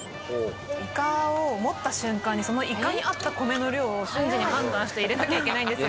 いかを持った瞬間にそのいかに合った米の量を瞬時に判断して入れなきゃいけないんですよ。